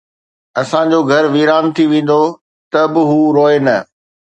اسان جو گهر ويران ٿي ويندو ته به هو روئي نه